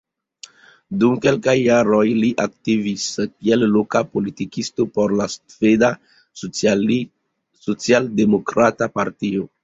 Dum kelkaj jaroj li aktivis kiel loka politikisto por la Sveda Socialdemokrata Partio.